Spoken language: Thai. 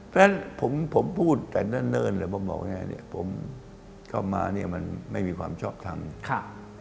เพราะฉะนั้นผมพูดแต่เนิ่นผมเข้ามามันไม่มีความชอบทำ